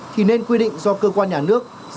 thì nên quy định do cơ quan nhà nước